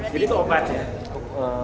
jadi itu obatnya